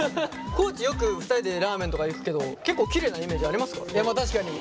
地よく２人でラーメンとか行くけど結構キレイなイメージありますからね。